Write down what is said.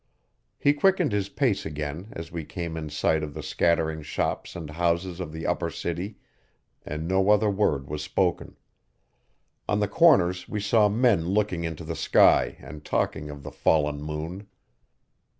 He quickened his pace again as we came in sight of the scattering shops and houses of the upper city and no other word was spoken. On the corners we saw men looking into the sky and talking of the fallen moon.